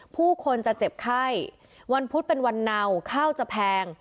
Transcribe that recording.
ผู้คนจะเจ็บไข้วันพุธเป็นวันเนาข้าวจะแพง